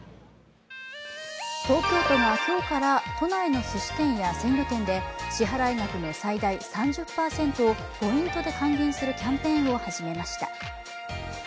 東京都が今日から都内のすし店や鮮魚店で支払額の最大３０％をポイントで還元するキャンペーンを始めました。